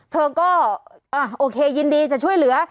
เธอก็โอเคยินดีจะช่วยเหลือ